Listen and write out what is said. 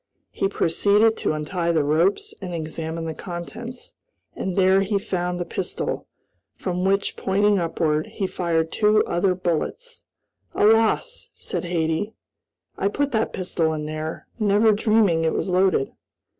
He proceeded to untie the ropes and examine the contents, and there he found the pistol, from which, pointing upward, he fired two other bullets. "Alas!" said Hattie, "I put that pistol there, never dreaming it was loaded."